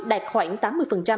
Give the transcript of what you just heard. đạt khoảng tám mươi